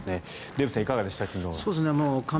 デーブさん、いかがでしたか。